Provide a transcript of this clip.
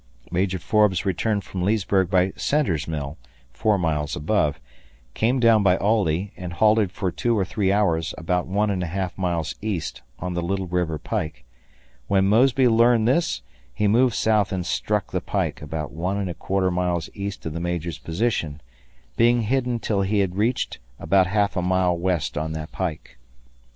Major Forbes returned from Leesburg by Centre's Mill (4 miles above), came down by Aldie, and halted for two or three hours about one and a half miles east, on the Little River Pike; when Mosby learned this he moved south and struck the pike about one and a quarter miles east of the Major's position, being hidden till he had reached about half a mile west on the pike.